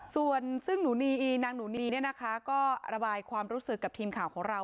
ส่วนซึ่งหนูนางหนูนีเนี่ยนะคะก็ระบายความรู้สึกกับทีมข่าวของเรา